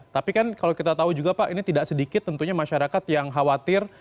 tapi kan kalau kita tahu juga pak ini tidak sedikit tentunya masyarakat yang khawatir